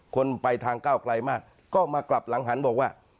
คนไปทางก้าวไกลมากก็มากลับหลังหันบอกว่า